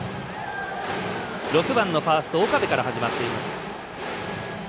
６番のファースト岡部から始まっています。